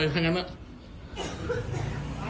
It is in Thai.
เราต้องเข้าทางนี้